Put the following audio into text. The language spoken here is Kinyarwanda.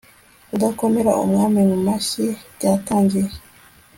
kudakomera umwami mu mashyi byatangiye